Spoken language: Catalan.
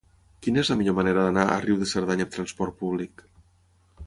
Quina és la millor manera d'anar a Riu de Cerdanya amb trasport públic?